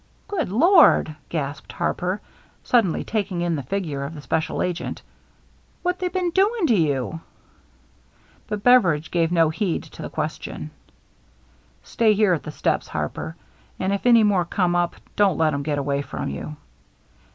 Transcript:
" Good Lord !" gasped Harper, suddenly taking in the figure of the special agent. " What they been doing to you ?" But Beveridge gave no heed to the question. "Stay here at the steps. Harper, and if any more come up, don't let 'em get away from you."